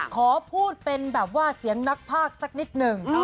ขอพูดเป็นแบบว่าเสียงนักภาคสักนิดหนึ่ง